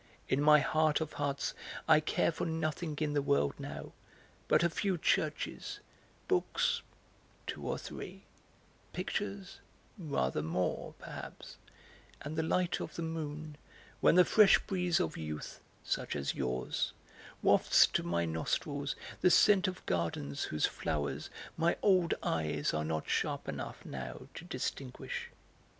In my heart of hearts I care for nothing in the world now but a few churches, books two or three, pictures rather more, perhaps, and the light of the moon when the fresh breeze of youth (such as yours) wafts to my nostrils the scent of gardens whose flowers my old eyes are not sharp enough, now, to distinguish."